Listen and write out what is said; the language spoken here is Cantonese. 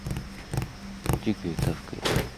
自求多福